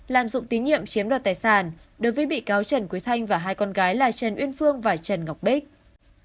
lạm dụng tín nhiệm chiếm đoạt tài sản đối với bị cáo trần quý thanh và hai con gái là trần uyên phương và trần ngọc bích